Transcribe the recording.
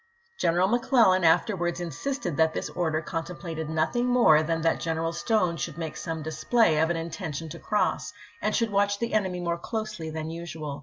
General McClellan afterwards insisted that this order contemplated nothing more than that General Stone should make some display of an intention to cross, afid should watch the enemy more closely than usual.